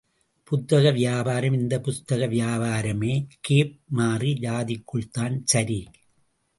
புத்தக வியாபாரம் இந்த புஸ்தக வியாபாரமே கேப் மாறி ஜாதிக்குத்தான் சரி!